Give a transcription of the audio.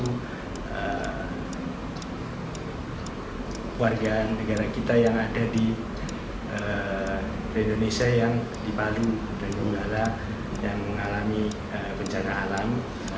dan warga negara kita yang ada di indonesia yang di palu dan nunggala yang mengalami bencana alam